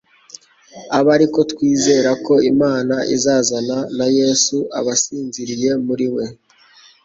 abe ari ko twizera ko Imana izazanana na Yesu abasinziriye muri we.”